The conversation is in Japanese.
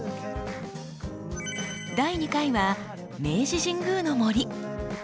第２回は明治神宮の杜。